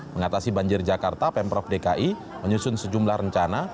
mengatasi banjir jakarta pemprov dki menyusun sejumlah rencana